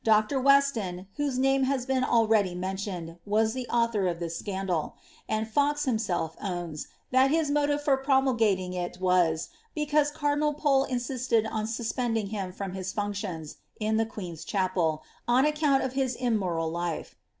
Or. Wesiun, wlio$e nuine has been already nienlioaed, was the author of this BRindal ; and Fnx himself owns, tliat his motive for promulgaiing it waSf because mnlinal Pole insisted on suspending him from his functinus (in tlie (jueea'a chapel), on account of hia immoral life.